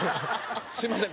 すみません。